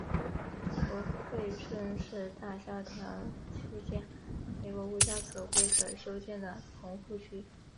胡佛村是大萧条期间美国无家可归者修建的棚户区。